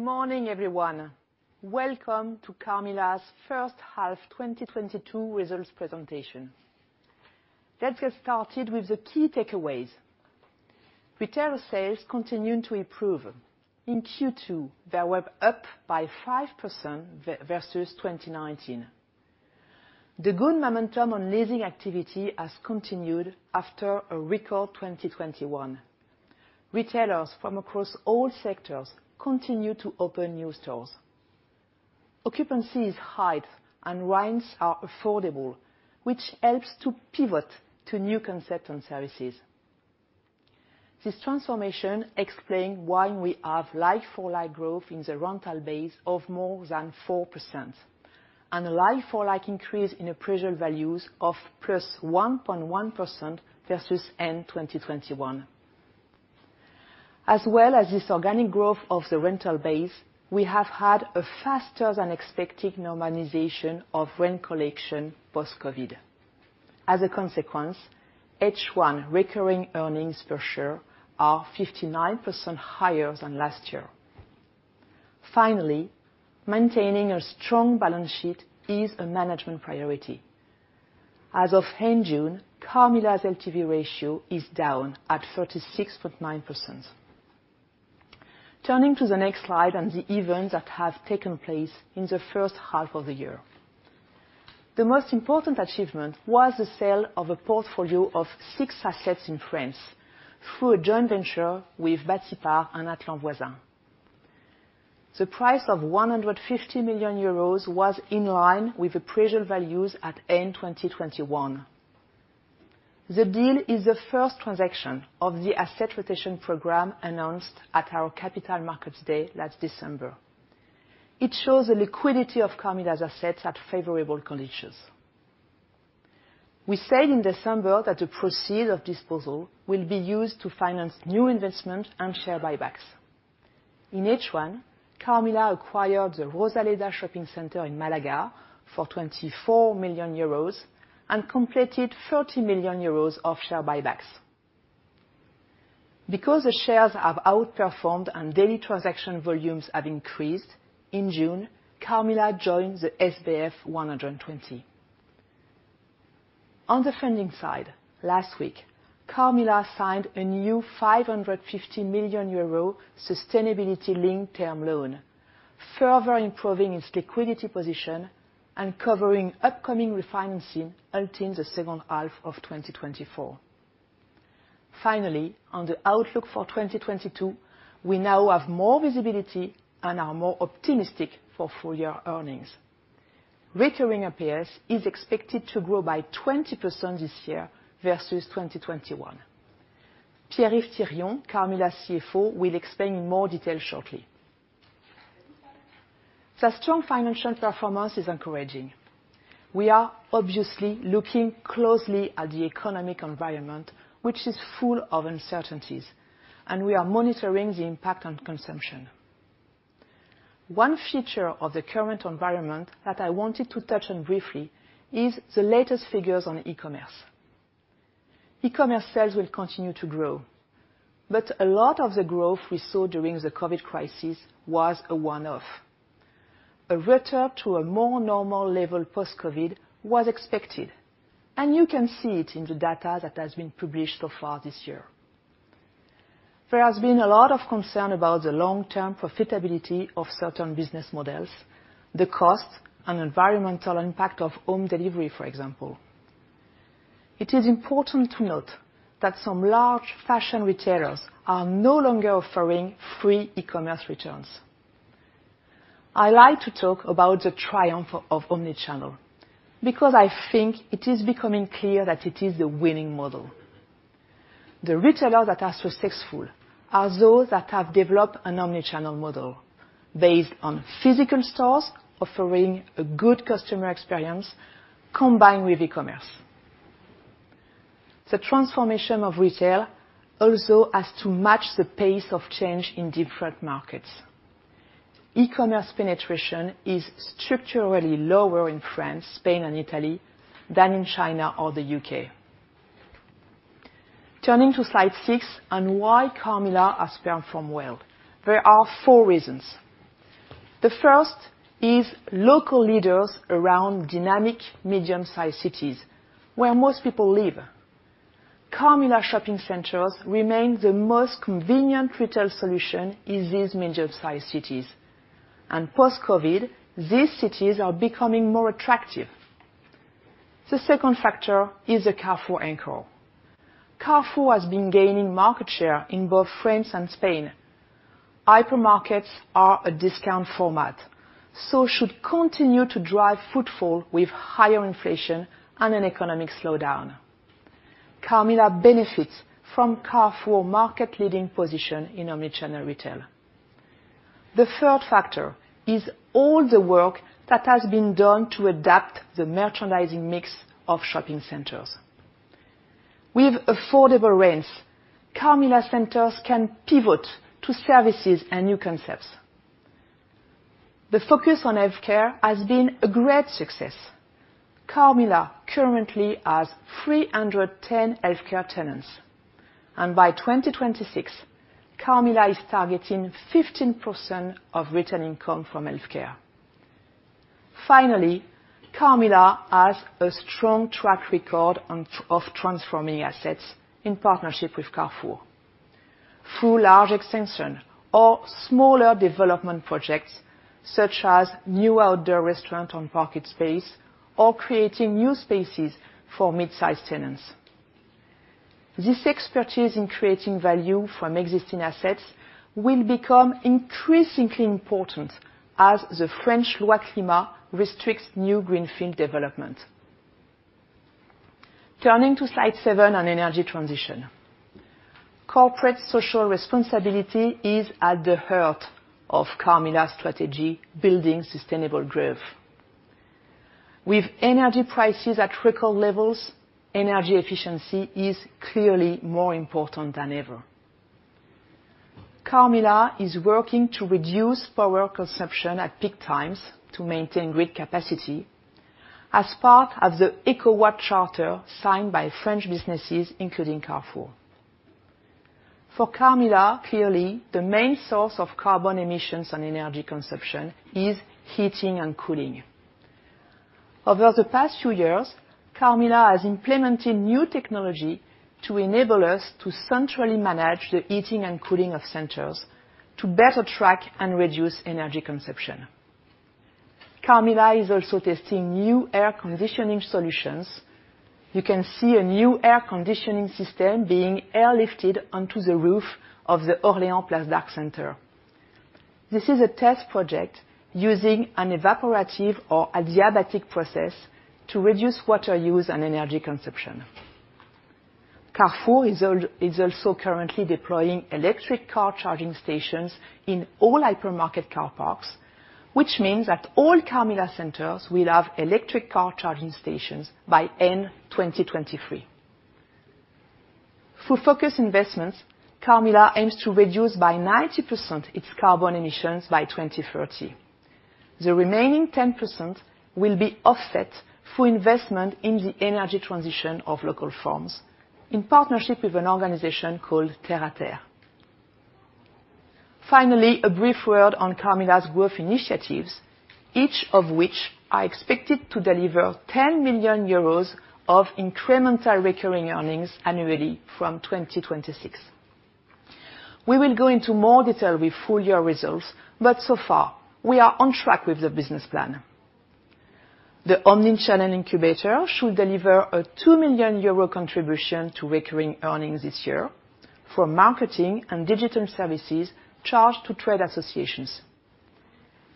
Good morning, everyone. Welcome to Carmila's first half 2022 results presentation. Let's get started with the key takeaways. Retail sales continuing to improve. In Q2, they were up by 5% versus 2019. The good momentum on leasing activity has continued after a record 2021. Retailers from across all sectors continue to open new stores. Occupancy is high and rents are affordable, which helps to pivot to new concept and services. This transformation explain why we have like-for-like growth in the rental base of more than 4%, and a like-for-like increase in appraisal values of +1.1% versus end 2021. As well as this organic growth of the rental base, we have had a faster than expected normalization of rent collection post-COVID. As a consequence, H1 recurring earnings per share are 59% higher than last year. Finally, maintaining a strong balance sheet is a management priority. As of end June, Carmila's LTV ratio is down at 36.9%. Turning to the next slide and the events that have taken place in the first half of the year. The most important achievement was the sale of a portfolio of six assets in France through a joint venture with Batipart and Atland Voisin. The price of 150 million euros was in line with appraisal values at end 2021. The deal is the first transaction of the asset rotation program announced at our Capital Markets Day last December. It shows the liquidity of Carmila's assets at favorable conditions. We said in December that the proceeds of disposal will be used to finance new investment and share buybacks. In H1, Carmila acquired the Rosaleda shopping center in Málaga for 24 million euros, and completed 30 million euros of share buybacks. Because the shares have outperformed and daily transaction volumes have increased, in June, Carmila joined the SBF 120. On the funding side, last week, Carmila signed a new 550 million euro sustainability link term loan, further improving its liquidity position and covering upcoming refinancing until the second half of 2024. Finally, on the outlook for 2022, we now have more visibility and are more optimistic for full year earnings. Recurring EPS is expected to grow by 20% this year versus 2021. Pierre-Yves Thirion, Carmila's CFO, will explain in more detail shortly. The strong financial performance is encouraging. We are obviously looking closely at the economic environment, which is full of uncertainties, and we are monitoring the impact on consumption. One feature of the current environment that I wanted to touch on briefly is the latest figures on E-commerce. E-commerce sales will continue to grow, but a lot of the growth we saw during the COVID crisis was a one-off. A return to a more normal level post-COVID was expected, and you can see it in the data that has been published so far this year. There has been a lot of concern about the long-term profitability of certain business models, the cost and environmental impact of home delivery, for example. It is important to note that some large fashion retailers are no longer offering free E-commerce returns. I like to talk about the triumph of omni-channel because I think it is becoming clear that it is the winning model. The retailers that are successful are those that have developed an omni-channel model based on physical stores offering a good customer experience combined with E-commerce. The transformation of retail also has to match the pace of change in different markets. E-commerce penetration is structurally lower in France, Spain, and Italy than in China or the U.K. Turning to slide six on why Carmila is spared from the worst. There are four reasons. The first is local leaders around dynamic medium-sized cities where most people live. Carmila shopping centers remain the most convenient retail solution in these medium-sized cities. Post-COVID, these cities are becoming more attractive. The second factor is the Carrefour anchor. Carrefour has been gaining market share in both France and Spain. Hypermarkets are a discount format, so should continue to drive footfall with higher inflation and an economic slowdown. Carmila benefits from Carrefour market leading position in omni-channel retail. The third factor is all the work that has been done to adapt the merchandising mix of shopping centers. With affordable rents, Carmila centers can pivot to services and new concepts. The focus on healthcare has been a great success. Carmila currently has 310 healthcare tenants. By 2026, Carmila is targeting 15% of rental income from healthcare. Finally, Carmila has a strong track record of transforming assets in partnership with Carrefour. Through large extension or smaller development projects, such as new outdoor restaurant on parking space or creating new spaces for midsize tenants. This expertise in creating value from existing assets will become increasingly important as the French Loi Climat restricts new greenfield development. Turning to slide seven on energy transition. Corporate social responsibility is at the heart of Carmila strategy building sustainable growth. With energy prices at record levels, energy efficiency is clearly more important than ever. Carmila is working to reduce power consumption at peak times to maintain grid capacity as part of the EcoWatt charter signed by French businesses, including Carrefour. For Carmila, clearly, the main source of carbon emissions on energy consumption is heating and cooling. Over the past few years, Carmila has implemented new technology to enable us to centrally manage the heating and cooling of centers to better track and reduce energy consumption. Carmila is also testing new air conditioning solutions. You can see a new air conditioning system being airlifted onto the roof of the Orléans Place d'Arc center. This is a test project using an evaporative or adiabatic process to reduce water use and energy consumption. Carrefour is also currently deploying electric car charging stations in all hypermarket car parks, which means that all Carmila centers will have electric car charging stations by end 2023. Through focus investments, Carmila aims to reduce by 90% its carbon emissions by 2030. The remaining 10% will be offset through investment in the energy transition of local farms in partnership with an organization called TerraTerre. Finally, a brief word on Carmila's growth initiatives, each of which are expected to deliver 10 million euros of incremental recurring earnings annually from 2026. We will go into more detail with full year results, but so far, we are on track with the business plan. The omni-channel incubator should deliver a 2 million euro contribution to recurring earnings this year for marketing and digital services charged to trade associations.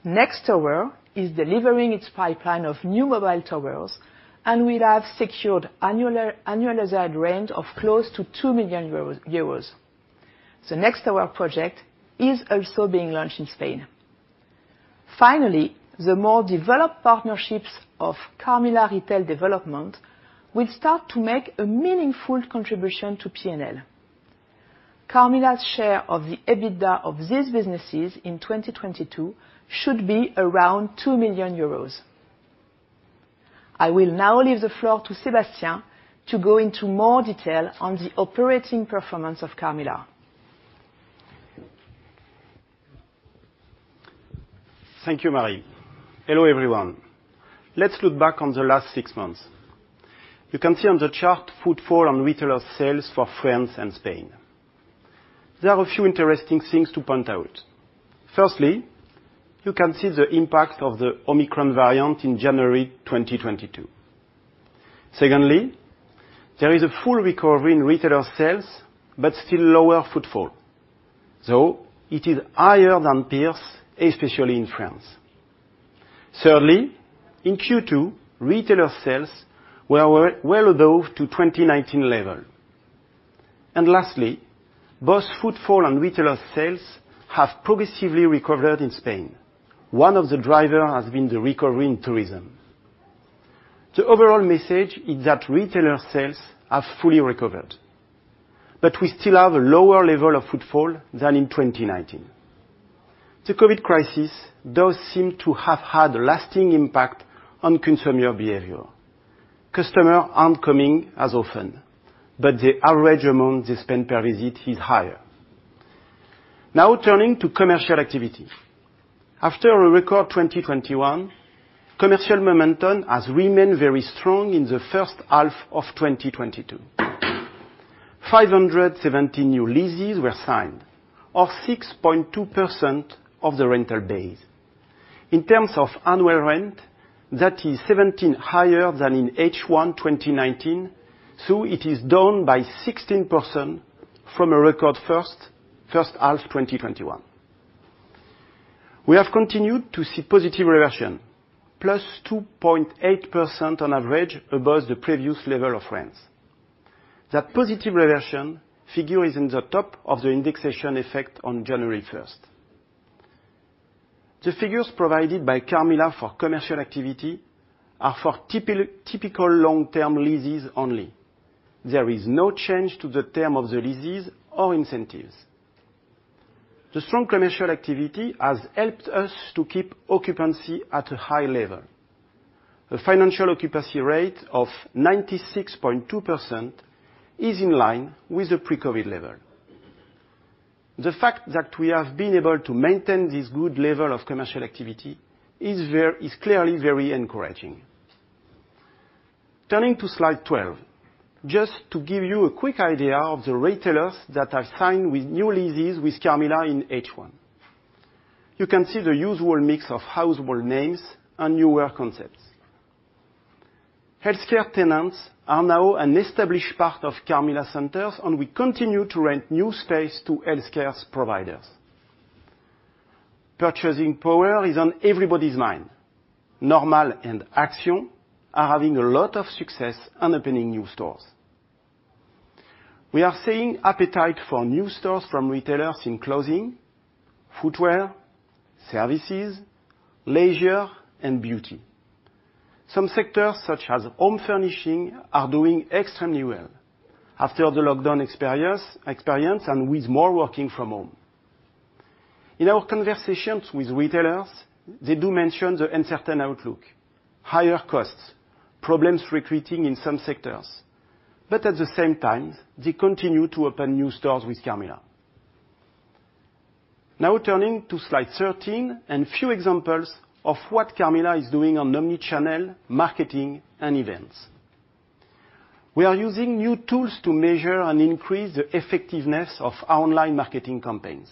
Next Tower is delivering its pipeline of new mobile towers, and we have secured annualized rent of close to 2 million euros. The Next Tower project is also being launched in Spain. Finally, the more developed partnerships of Carmila Retail Development will start to make a meaningful contribution to P&L. Carmila's share of the EBITDA of these businesses in 2022 should be around 2 million euros. I will now leave the floor to Sébastien to go into more detail on the operating performance of Carmila. Thank you, Marie. Hello, everyone. Let's look back on the last six months. You can see on the chart footfall on retailer sales for France and Spain. There are a few interesting things to point out. Firstly, you can see the impact of the Omicron variant in January 2022. Secondly, there is a full recovery in retailer sales, but still lower footfall, though it is higher than peers, especially in France. Thirdly, in Q2, retailer sales were well above the 2019 level. Lastly, both footfall and retailer sales have progressively recovered in Spain. One of the drivers has been the recovery in tourism. The overall message is that retailer sales have fully recovered, but we still have a lower level of footfall than in 2019. The COVID crisis does seem to have had a lasting impact on consumer behavior. Customers aren't coming as often, but the average amount they spend per visit is higher. Now turning to commercial activity. After a record 2021, commercial momentum has remained very strong in the first half of 2022. 570 new leases were signed, or 6.2% of the rental base. In terms of annual rent, that is 17% higher than in H1 2019, so it is down by 16% from a record first half 2021. We have continued to see positive reversion, +2.8% on average above the previous level of rents. That positive reversion figure is in the top of the indexation effect on January 1st. The figures provided by Carmila for commercial activity are for typical long-term leases only. There is no change to the term of the leases or incentives. The strong commercial activity has helped us to keep occupancy at a high level. The financial occupancy rate of 96.2% is in line with the pre-COVID level. The fact that we have been able to maintain this good level of commercial activity is clearly very encouraging. Turning to slide 12, just to give you a quick idea of the retailers that have signed new leases with Carmila in H1. You can see the usual mix of household names and newer concepts. Healthcare tenants are now an established part of Carmila Centers, and we continue to rent new space to healthcare providers. Purchasing power is on everybody's mind. Normal and Action are having a lot of success and opening new stores. We are seeing appetite for new stores from retailers in clothing, footwear, services, leisure, and beauty. Some sectors, such as home furnishing, are doing extremely well after the lockdown experience and with more working from home. In our conversations with retailers, they do mention the uncertain outlook, higher costs, problems recruiting in some sectors, but at the same time, they continue to open new stores with Carmila. Now turning to slide 13, a few examples of what Carmila is doing on omni-channel, marketing, and events. We are using new tools to measure and increase the effectiveness of our online marketing campaigns.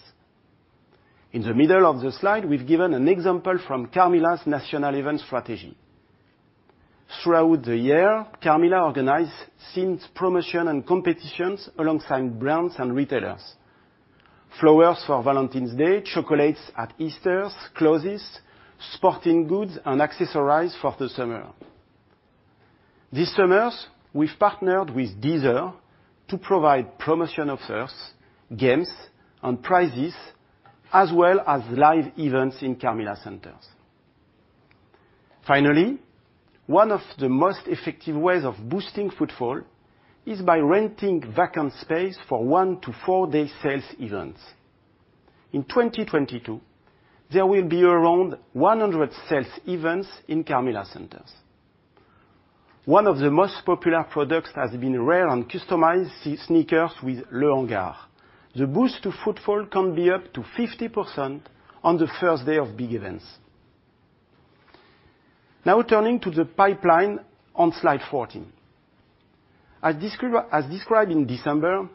In the middle of the slide, we've given an example from Carmila's national event strategy. Throughout the year, Carmila organized themed promotions and competitions alongside brands and retailers. Flowers for Valentine's Day, chocolates at Easter, clothes, sporting goods, and accessories for the summer. This summer, we've partnered with Deezer to provide promotional offers, games, and prizes, as well as live events in Carmila centers. Finally, one of the most effective ways of boosting footfall is by renting vacant space for one-to-four-day sales events. In 2022, there will be around 100 sales events in Carmila centers. One of the most popular products has been rare and customized sneakers with Hangar Ventes Privées. The boost to footfall can be up to 50% on the first day of big events. Now turning to the pipeline on slide 14. As described in December,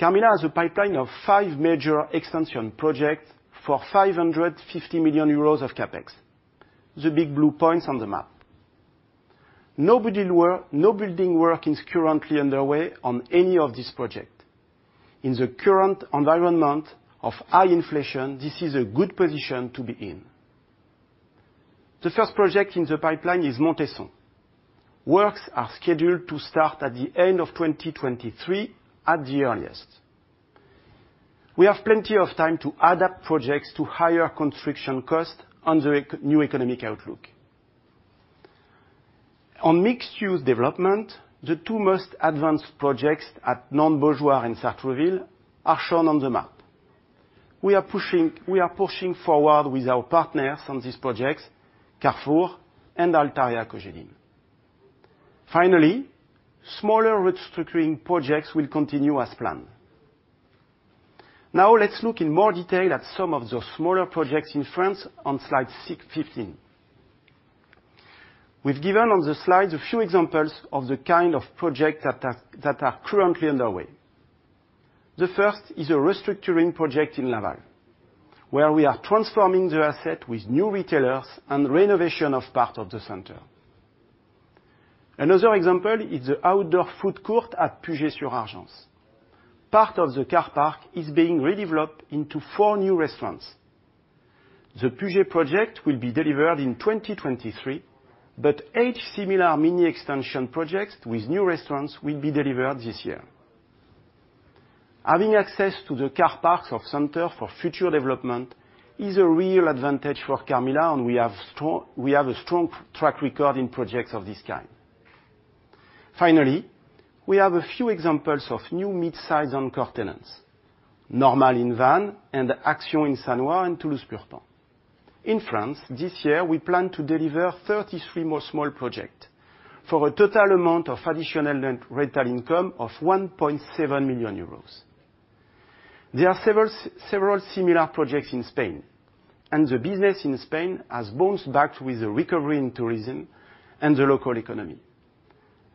Carmila has a pipeline of five major extension projects for 550 million euros of CapEx, the big blue points on the map. No building work is currently underway on any of this project. In the current environment of high inflation, this is a good position to be in. The first project in the pipeline is Montesson. Works are scheduled to start at the end of 2023 at the earliest. We have plenty of time to adapt projects to higher construction costs and the new economic outlook. On mixed-use development, the two most advanced projects at Nantes La Beaujoire and Sartrouville are shown on the map. We are pushing forward with our partners on these projects, Carrefour and Altarea Cogedim. Finally, smaller restructuring projects will continue as planned. Now let's look in more detail at some of the smaller projects in France on slides six-15. We've given on the slides a few examples of the kind of projects that are currently underway. The first is a restructuring project in Laval, where we are transforming the asset with new retailers and renovation of part of the center. Another example is the outdoor food court at Puget-sur-Argens. Part of the car park is being redeveloped into four new restaurants. The Puget project will be delivered in 2023, but each similar mini extension projects with new restaurants will be delivered this year. Having access to the car parks of center for future development is a real advantage for Carmila, and we have a strong track record in projects of this kind. Finally, we have a few examples of new midsize anchor tenants, Normal in Vannes and Action in Sannois and Toulouse Purpan. In France this year, we plan to deliver 33 more small projects for a total amount of additional rent, rental income of 1.7 million euros. There are several similar projects in Spain, and the business in Spain has bounced back with the recovery in tourism and the local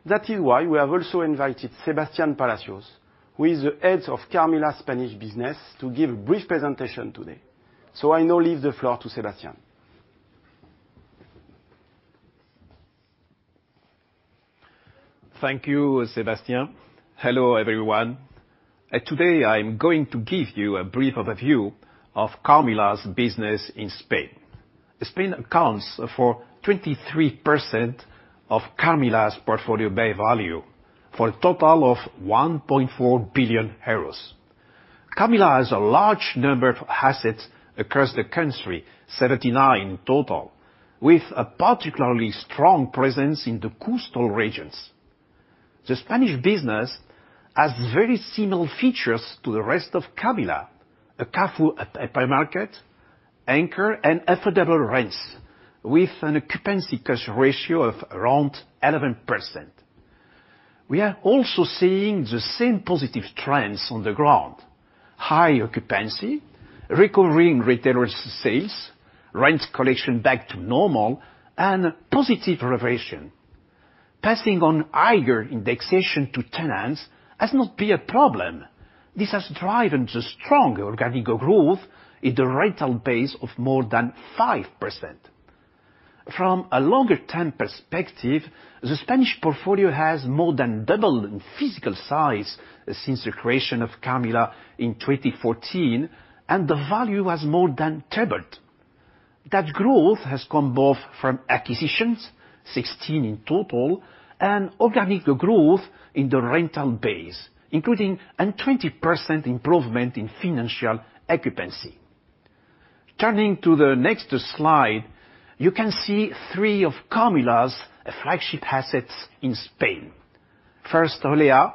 economy. That is why we have also invited Sebastián Palacios, who is the head of Carmila's Spanish business, to give a brief presentation today. I now leave the floor to Sebastián. Thank you, Sébastien. Hello, everyone. Today, I'm going to give you a brief overview of Carmila's business in Spain. Spain accounts for 23% of Carmila's portfolio by value, for a total of 1.4 billion euros. Carmila has a large number of assets across the country, 79 in total, with a particularly strong presence in the coastal regions. The Spanish business has very similar features to the rest of Carmila. A Carrefour hypermarket anchor and affordable rents with an occupancy cost ratio of around 11%. We are also seeing the same positive trends on the ground. High occupancy, recurring retailers sales, rents collection back to normal, and positive reversion. Passing on higher indexation to tenants has not been a problem. This has driven the strong organic growth in the rental base of more than 5%. From a longer-term perspective, the Spanish portfolio has more than doubled in physical size since the creation of Carmila in 2014, and the value has more than tripled. That growth has come both from acquisitions, 16 in total, and organic growth in the rental base, including a 20% improvement in financial occupancy. Turning to the next slide, you can see three of Carmila's flagship assets in Spain. First, Oleas,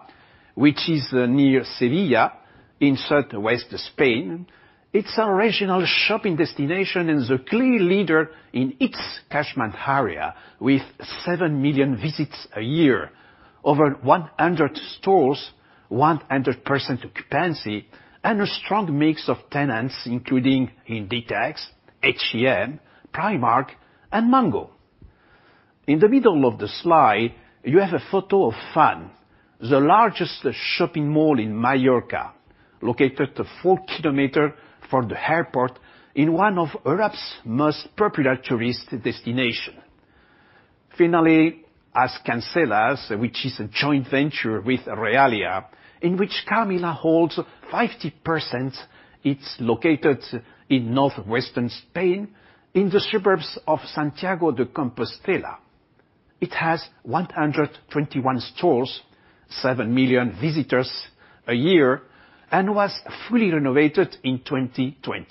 which is near Sevilla in southwest Spain. It's a regional shopping destination and the clear leader in its catchment area, with seven million visits a year, over 100 stores, 100% occupancy, and a strong mix of tenants, including Inditex, H&M, Primark, and Mango. In the middle of the slide, you have a photo of Fan, the largest shopping mall in Mallorca, located 4 km from the airport in one of Europe's most popular tourist destination. Finally, As Cancelas, which is a joint venture with Realia, in which Carmila holds 50%, it's located in northwestern Spain in the suburbs of Santiago de Compostela. It has 121 stores, seven million visitors a year, and was fully renovated in 2020.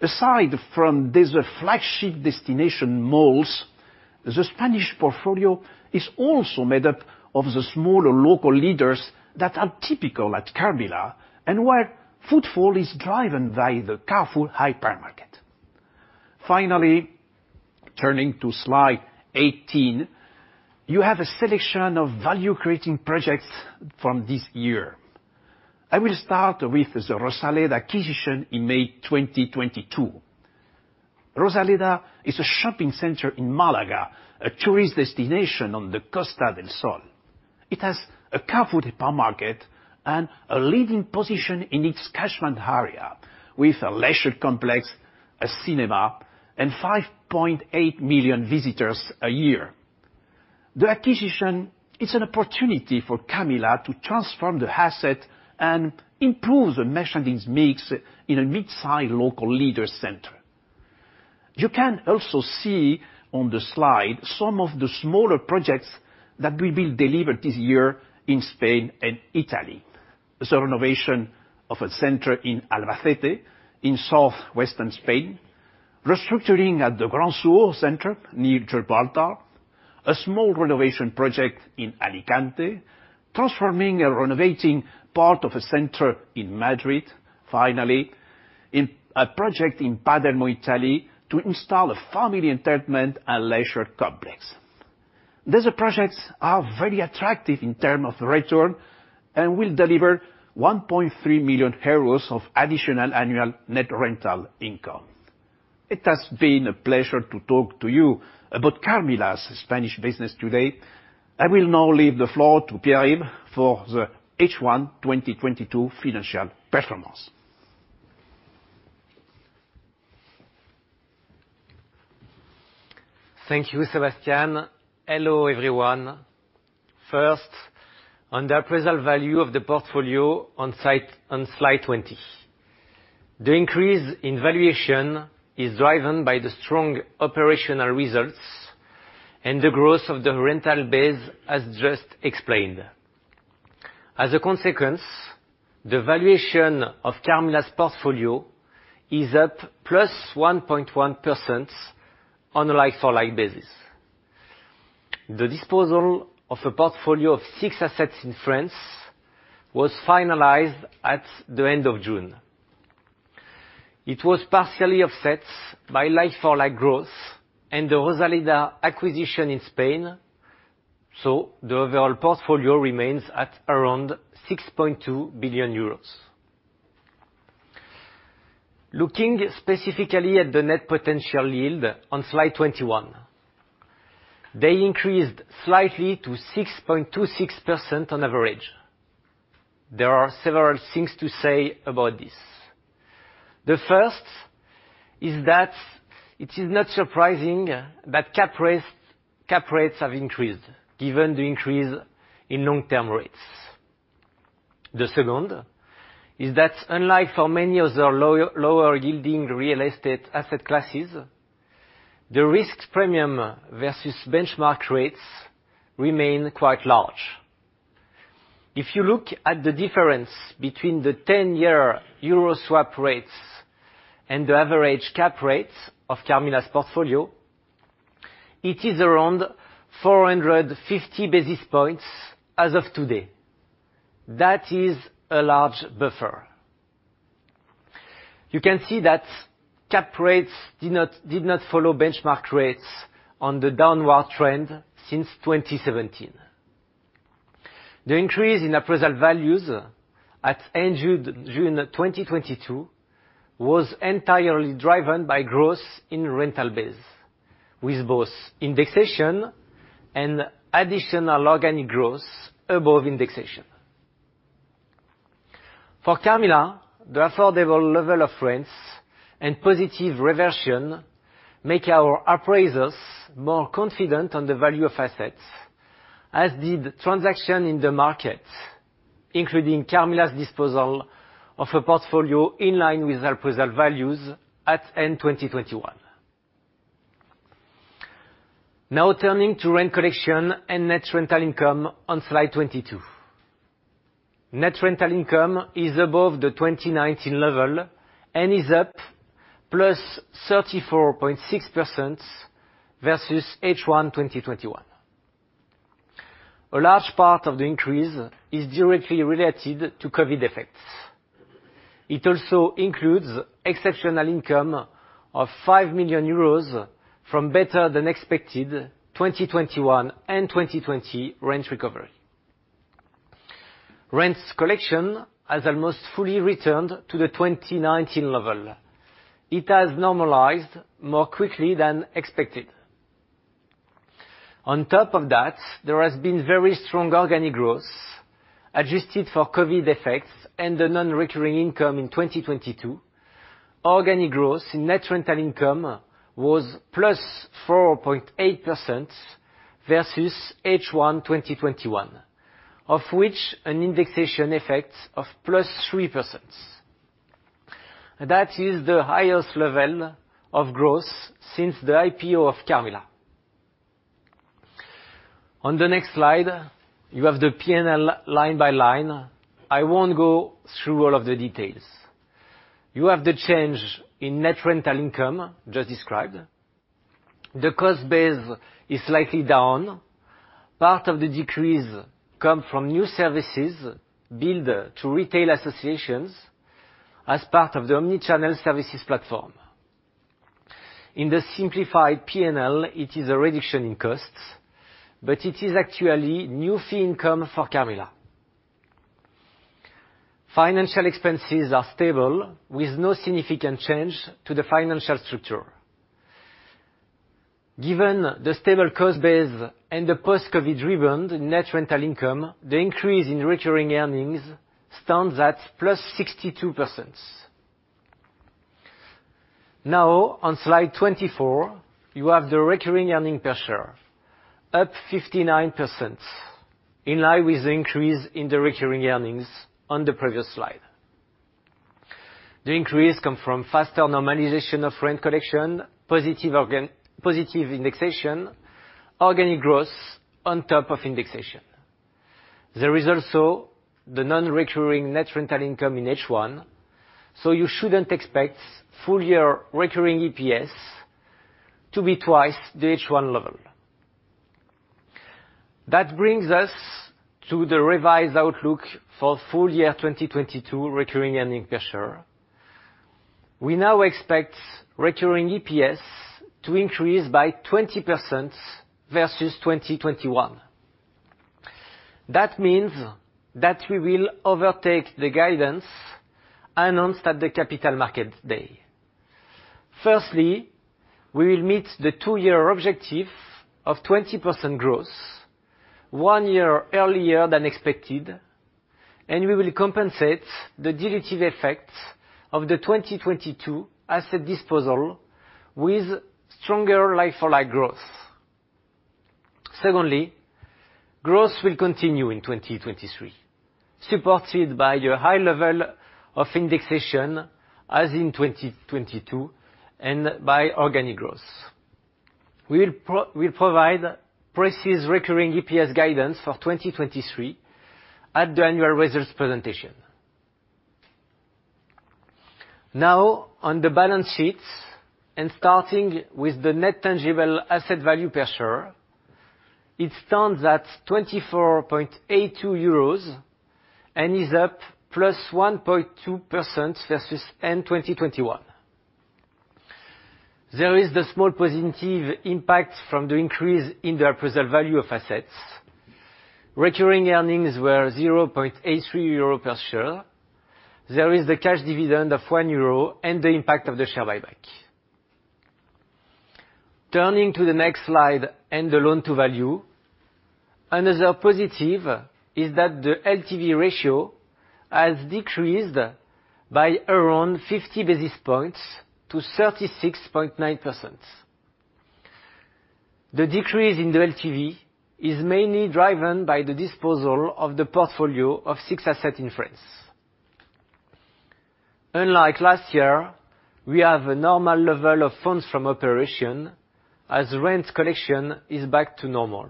Aside from these flagship destination malls, the Spanish portfolio is also made up of the smaller local leaders that are typical at Carmila and where footfall is driven by the Carrefour hypermarket. Finally, turning to slide 18, you have a selection of value-creating projects from this year. I will start with the Rosaleda acquisition in May 2022. Rosaleda is a shopping center in Malaga, a tourist destination on the Costa del Sol. It has a Carrefour hypermarket and a leading position in its catchment area with a leisure complex, a cinema, and 5.8 million visitors a year. The acquisition is an opportunity for Carmila to transform the asset and improve the merchandise mix in a midsize local leader center. You can also see on the slide some of the smaller projects that will be delivered this year in Spain and Italy. The renovation of a center in Albacete in southwestern Spain, restructuring at the Gran Sur center near Gibraltar, a small renovation project in Alicante, transforming and renovating part of a center in Madrid. Finally, in a project in Palermo, Italy, to install a family entertainment and leisure complex. These projects are very attractive in terms of return and will deliver 1.3 million euros of additional annual net rental income. It has been a pleasure to talk to you about Carmila's Spanish business today. I will now leave the floor to Pierre-Yves for the H1 2022 financial performance. Thank you, Sebastián. Hello, everyone. First, on the appraisal value of the portfolio on slide 20. The increase in valuation is driven by the strong operational results and the growth of the rental base, as just explained. As a consequence, the valuation of Carmila's portfolio is up +1.1% on a like-for-like basis. The disposal of a portfolio of six assets in France was finalized at the end of June. It was partially offset by like-for-like growth and the Rosaleda acquisition in Spain, so the overall portfolio remains at around 6.2 billion euros. Looking specifically at the net potential yield on slide 21, they increased slightly to 6.26% on average. There are several things to say about this. The first is that it is not surprising that cap rates have increased given the increase in long-term rates. The second is that unlike for many other lower yielding real estate asset classes. The risk premium versus benchmark rates remain quite large. If you look at the difference between the ten-year Euro swap rates and the average cap rates of Carmila's portfolio, it is around 450 basis points as of today. That is a large buffer. You can see that cap rates did not follow benchmark rates on the downward trend since 2017. The increase in appraisal values at end June 2022 was entirely driven by growth in rental base, with both indexation and additional organic growth above indexation. For Carmila, the affordable level of rents and positive reversion make our appraisers more confident on the value of assets, as did transaction in the market, including Carmila's disposal of a portfolio in line with appraisal values at end 2021. Now turning to rent collection and net rental income on slide 22. Net rental income is above the 2019 level and is up +34.6% versus H1 2021. A large part of the increase is directly related to COVID effects. It also includes exceptional income of 5 million euros from better than expected 2021 and 2020 rent recovery. Rents collection has almost fully returned to the 2019 level. It has normalized more quickly than expected. On top of that, there has been very strong organic growth, adjusted for COVID effects and the non-recurring income in 2022. Organic growth in net rental income was +4.8% versus H1 2021, of which an indexation effect of +3%. That is the highest level of growth since the IPO of Carmila. On the next slide, you have the P&L line by line. I won't go through all of the details. You have the change in net rental income just described. The cost base is slightly down. Part of the decrease come from new services billed to retail associations as part of the omni-channel services platform. In the simplified P&L, it is a reduction in costs, but it is actually new fee income for Carmila. Financial expenses are stable, with no significant change to the financial structure. Given the stable cost base and the post-COVID driven net rental income, the increase in recurring earnings stands at +62%. Now on slide 24, you have the recurring earning per share, up 59%, in line with the increase in the recurring earnings on the previous slide. The increase comes from faster normalization of rent collection, positive indexation, organic growth on top of indexation. There is also the non-recurring net rental income in H1, so you shouldn't expect full-year recurring EPS to be twice the H1 level. That brings us to the revised outlook for full year 2022 recurring earnings per share. We now expect recurring EPS to increase by 20% versus 2021. That means that we will overtake the guidance announced at the Capital Market's Day. Firstly, we will meet the two-year objective of 20% growth one year earlier than expected, and we will compensate the dilutive effects of the 2022 asset disposal with stronger like-for-like growth. Secondly, growth will continue in 2023, supported by a high level of indexation as in 2022 and by organic growth. We will provide precise recurring EPS guidance for 2023 at the annual results presentation. Now on the balance sheets, and starting with the net tangible asset value per share, it stands at 24.82 euros and is up +1.2% versus end 2021. There is the small positive impact from the increase in the appraisal value of assets. Recurring earnings were 0.83 euro per share. There is the cash dividend of 1 euro and the impact of the share buyback. Turning to the next slide and the loan-to-value, another positive is that the LTV ratio has decreased by around 50 basis points to 36.9%. The decrease in the LTV is mainly driven by the disposal of the portfolio of six assets in France. Unlike last year, we have a normal level of funds from operations as rent collection is back to normal.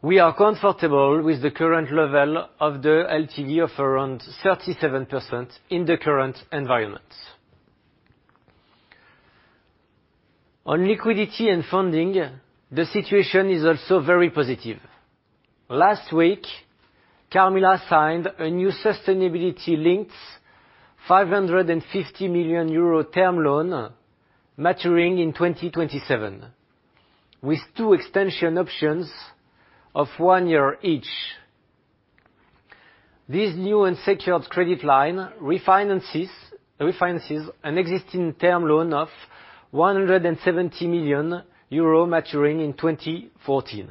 We are comfortable with the current level of the LTV of around 37% in the current environment. On liquidity and funding, the situation is also very positive. Last week, Carmila signed a new sustainability-linked 550 million euro term loan maturing in 2027, with two extension options of one year each. This new and secured credit line refinances an existing term loan of 170 million euro maturing in 2014.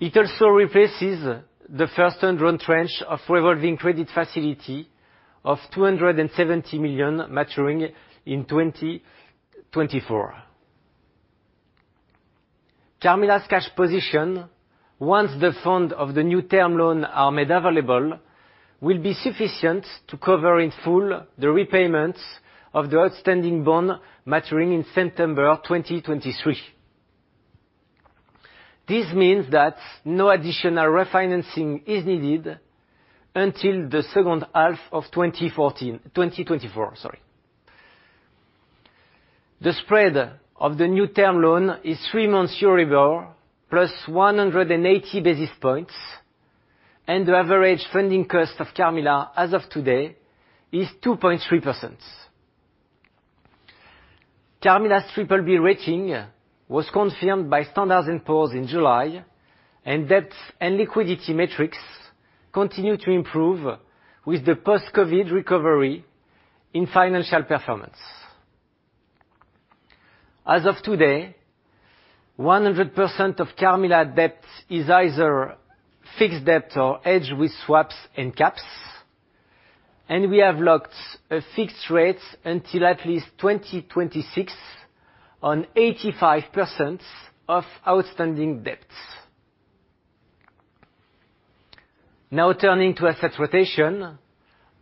It also replaces the first undrawn tranche of revolving credit facility of 270 million maturing in 2024. Carmila's cash position, once the fund of the new term loan are made available, will be sufficient to cover in full the repayments of the outstanding bond maturing in September 2023. This means that no additional refinancing is needed until the second half of 2024, sorry. The spread of the new term loan is three months EURIBOR plus 180 basis points, and the average funding cost of Carmila as of today is 2.3%. Carmila's BBB rating was confirmed by Standard & Poor's in July, and debt and liquidity metrics continue to improve with the post-COVID recovery in financial performance. As of today, 100% of Carmila debt is either fixed debt or hedged with swaps and caps, and we have locked a fixed rate until at least 2026 on 85% of outstanding debts. Now turning to asset rotation.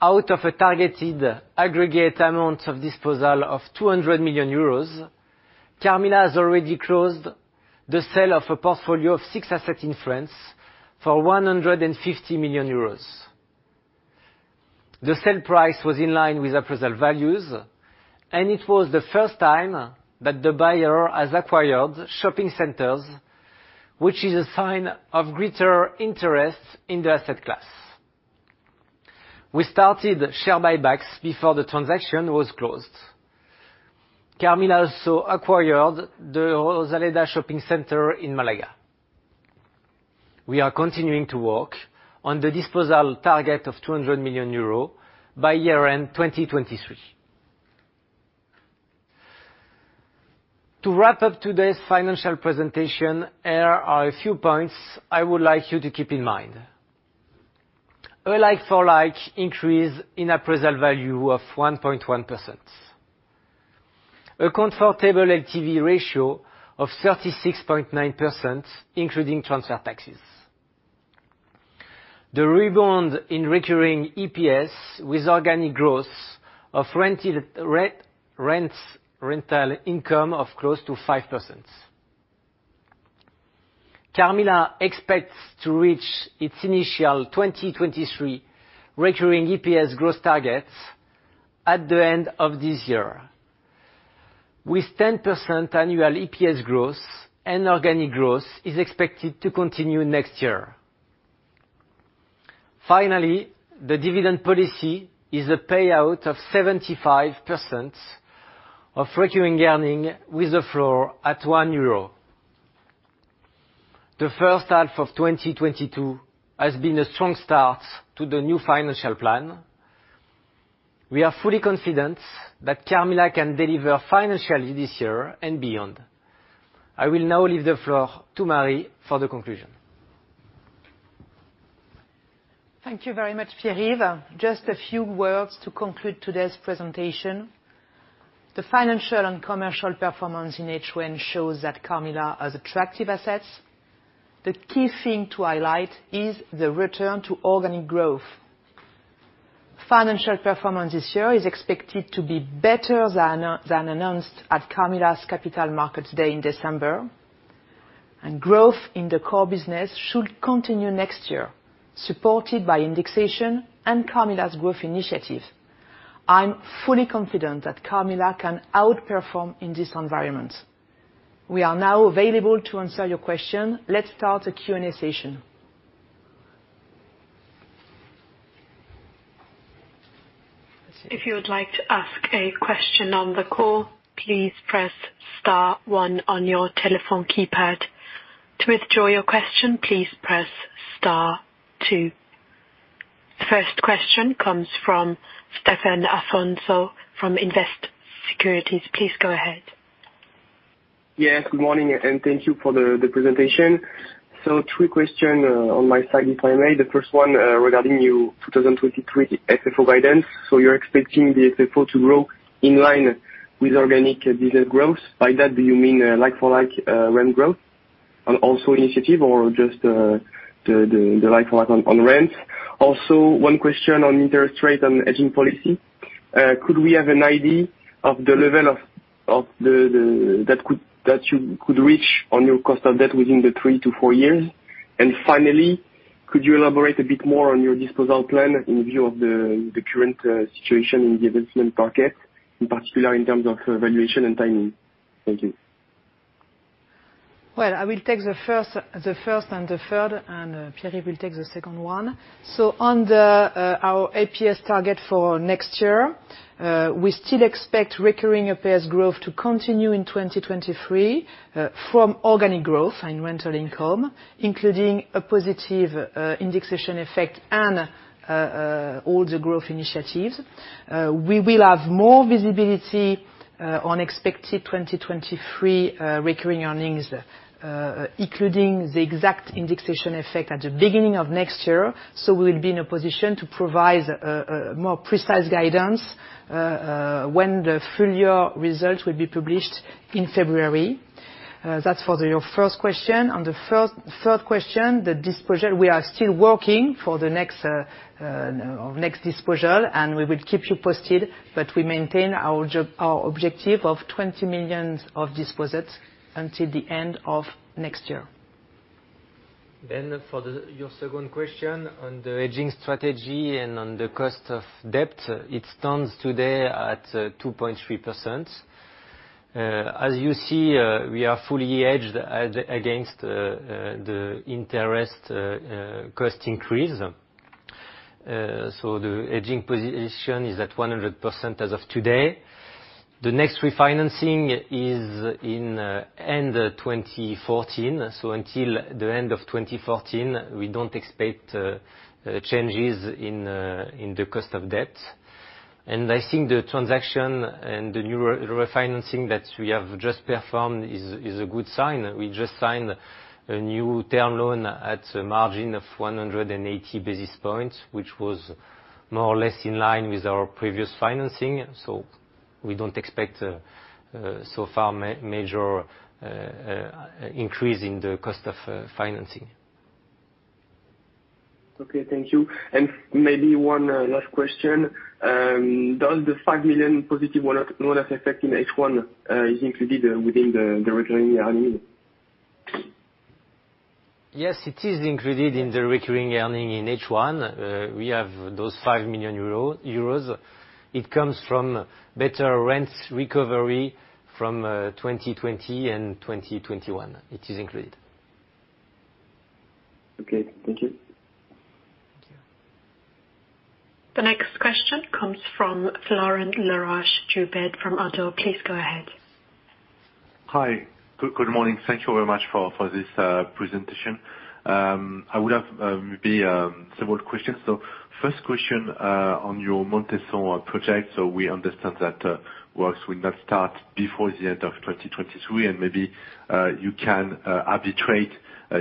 Out of a targeted aggregate amount of disposal of 200 million euros, Carmila has already closed the sale of a portfolio of six assets in France for 150 million euros. The sale price was in line with appraisal values, and it was the first time that the buyer has acquired shopping centers, which is a sign of greater interest in the asset class. We started share buybacks before the transaction was closed. Carmila also acquired the Rosaleda shopping center in Málaga. We are continuing to work on the disposal target of 200 million euros by year-end 2023. To wrap up today's financial presentation, here are a few points I would like you to keep in mind. A like-for-like increase in appraisal value of 1.1%. A comfortable LTV ratio of 36.9%, including transfer taxes. The rebound in recurring EPS with organic growth of rents, rental income of close to 5%. Carmila expects to reach its initial 2023 recurring EPS growth targets at the end of this year with 10% annual EPS growth, and organic growth is expected to continue next year. Finally, the dividend policy is a payout of 75% of recurring earnings with the floor at 1 euro. The first half of 2022 has been a strong start to the new financial plan. We are fully confident that Carmila can deliver financially this year and beyond. I will now leave the floor to Marie for the conclusion. Thank you very much, Pierre-Yves. Just a few words to conclude today's presentation. The financial and commercial performance in H1 shows that Carmila has attractive assets. The key thing to highlight is the return to organic growth. Financial performance this year is expected to be better than announced at Carmila's Capital Markets Day in December. Growth in the core business should continue next year, supported by indexation and Carmila's growth initiative. I'm fully confident that Carmila can outperform in this environment. We are now available to answer your question. Let's start the Q&A session. If you would like to ask a question on the call, please press star one on your telephone keypad. To withdraw your question, please press star two. First question comes from Stéphane Afonso from Invest Securities. Please go ahead. Yes, good morning, and thank you for the presentation. Three questions on my side, if I may. The first one regarding your 2023 FFO guidance. You're expecting the FFO to grow in line with organic business growth. By that, do you mean like-for-like rent growth? Also initiatives or just the like on rent. One question on interest rate and hedging policy. Could we have an idea of the level that you could reach on your cost of debt within the three to four years? Finally, could you elaborate a bit more on your disposal plan in view of the current situation in the investment market, in particular in terms of valuation and timing? Thank you. Well, I will take the first and the third, and Pierre will take the second one. On our EPS target for next year, we still expect recurring EPS growth to continue in 2023 from organic growth and rental income, including a positive indexation effect and all the growth initiatives. We will have more visibility on expected 2023 recurring earnings, including the exact indexation effect at the beginning of next year. We'll be in a position to provide more precise guidance when the full year results will be published in February. That's for your first question. On the third question, the disposal, we are still working on the next disposal, and we will keep you posted. We maintain our objective of 20 million of disposals until the end of next year. For your second question on the hedging strategy and on the cost of debt, it stands today at 2.3%. As you see, we are fully hedged against the interest cost increase. The hedging position is at 100% as of today. The next refinancing is in end 2014. Until the end of 2014, we don't expect changes in the cost of debt. I think the transaction and the new refinancing that we have just performed is a good sign. We just signed a new term loan at a margin of 180 basis points, which was more or less in line with our previous financing. We don't expect so far major increase in the cost of financing. Okay, thank you. Maybe one last question. Does the 5 million positive one-bonus effect in H1 included within the recurring earnings? Yes, it is included in the recurring earnings in H1. We have those 5 million euro. It comes from better rent recovery from 2020 and 2021. It is included. Okay, thank you. Thank you. The next question comes from Florent Laroche-Joubert from Oddo. Please go ahead. Hi. Good morning. Thank you very much for this presentation. I would have maybe several questions. First question on your Montesson project. We understand that works will not start before the end of 2023, and maybe you can arbitrate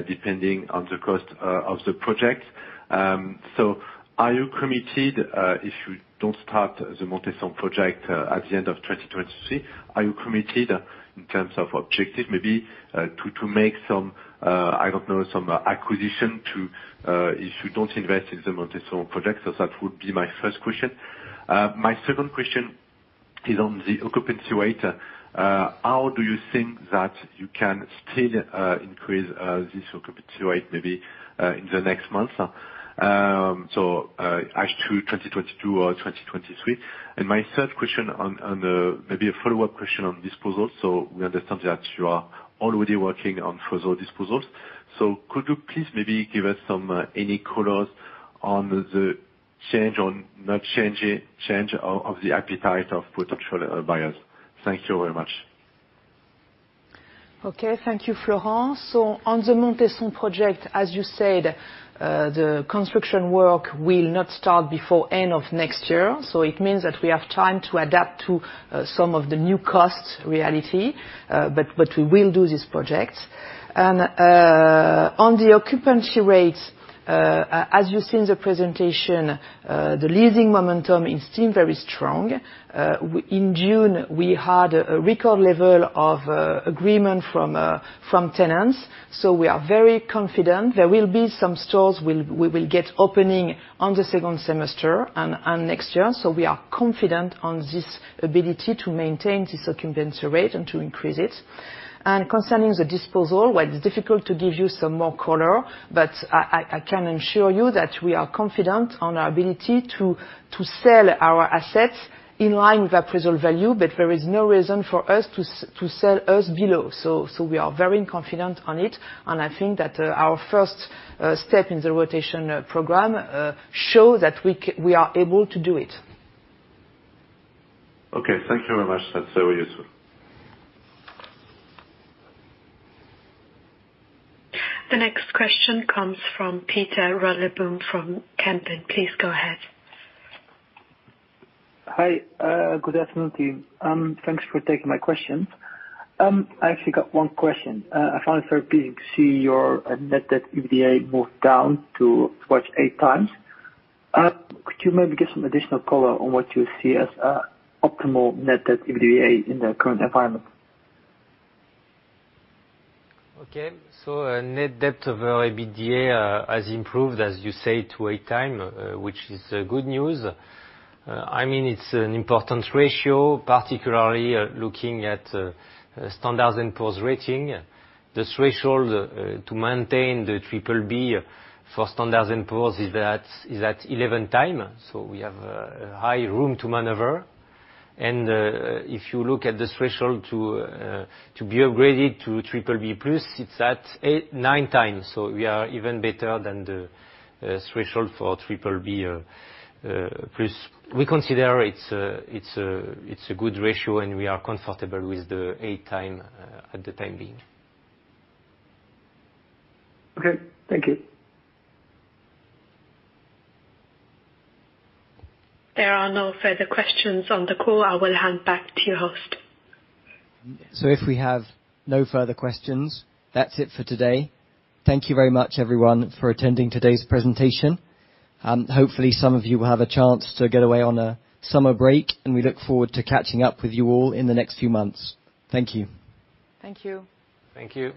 depending on the cost of the project. Are you committed if you don't start the Montesson project at the end of 2023? Are you committed in terms of objective maybe to make some I don't know some acquisition to if you don't invest in the Montesson project? That would be my first question. My second question is on the occupancy rate. How do you think that you can still increase this occupancy rate maybe in the next months? H2 2022 or 2023. My third question on maybe a follow-up question on disposal. We understand that you are already working on further disposals. Could you please maybe give us some any colors on the change or not changing of the appetite of potential buyers? Thank you very much. Okay, thank you, Florent. On the Montesson project, as you said, the construction work will not start before end of next year. It means that we have time to adapt to some of the new costs reality. But we will do this project. On the occupancy rates, as you seen the presentation, the leasing momentum is still very strong. In June, we had a record level of agreement from tenants. We are very confident there will be some stores we will get opening on the second semester and next year. We are confident on this ability to maintain this occupancy rate and to increase it. Concerning the disposal, while it's difficult to give you some more color, but I can assure you that we are confident on our ability to sell our assets in line with our preserved value, but there is no reason for us to sell us below. We are very confident on it. I think that our first step in the rotation program show that we are able to do it. Okay, thank you very much. That's very useful. The next question comes from Pieter Runneboom from Kempen. Please go ahead. Hi. Good afternoon to you. Thanks for taking my questions. I actually got one question. I found it very pleasing to see your net debt EBITDA move down to 2.8x. Could you maybe give some additional color on what you see as optimal net debt EBITDA in the current environment? Okay. Net debt over EBITDA has improved, as you say, to 8x, which is good news. I mean, it's an important ratio, particularly looking at Standard & Poor's rating. The threshold to maintain the BBB for Standard & Poor's is at 11x. We have headroom to maneuver. If you look at the threshold to be upgraded to BBB+, it's at 8-9x. We are even better than the threshold for BBB+. We consider it's a good ratio, and we are comfortable with the 8x for the time being. Okay, thank you. There are no further questions on the call. I will hand back to your host. If we have no further questions, that's it for today. Thank you very much everyone for attending today's presentation. Hopefully, some of you will have a chance to get away on a summer break, and we look forward to catching up with you all in the next few months. Thank you. Thank you. Thank you.